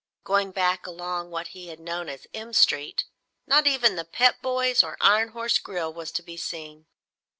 Going back along what he had known as M Street, not even the Pep Boys' or Iron Horse Grill was to be seen.